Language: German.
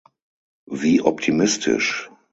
Wie optimistisch!